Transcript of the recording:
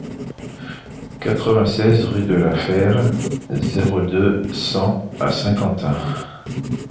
quatre-vingt-seize rue de la Fère, zéro deux, cent à Saint-Quentin